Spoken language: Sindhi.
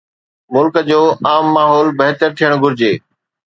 ملڪ جو عام ماحول بهتر ٿيڻ گهرجي.